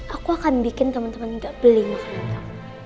aku akan bikin teman teman enggak beli makan itu